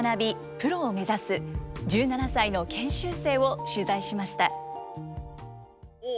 プロを目指す１７歳の研修生を取材しました。